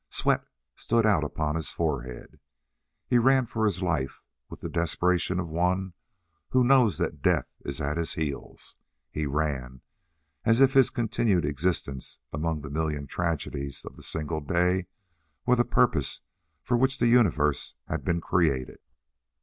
Sweat stood out upon his forehead. He ran for his life with the desperation of one who knows that death is at his heels. He ran as if his continued existence among the million tragedies of the single day were the purpose for which the universe had been created.